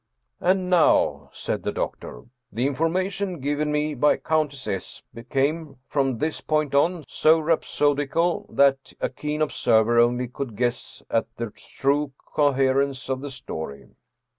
" And now," said the doctor, " the information given me by Countess S. became, from this point on, so rhapsodical that a keen observer only could guess at the true coherence of the story.